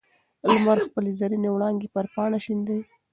لمر خپلې زرینې وړانګې پر پاڼه شیندي.